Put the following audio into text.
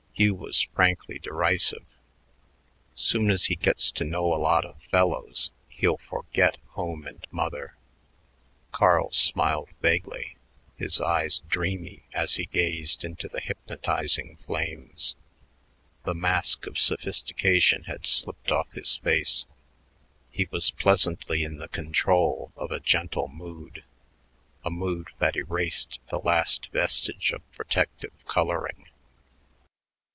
Hugh was frankly derisive. "Soon as he gets to know a lot of fellows, he'll forget home and mother." Carl smiled vaguely, his eyes dreamy as he gazed into the hypnotizing flames. The mask of sophistication had slipped off his face; he was pleasantly in the control of a gentle mood, a mood that erased the last vestige of protective coloring.